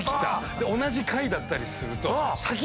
で同じ階だったりすると。